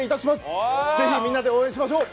ぜひみんなで応援しましょう！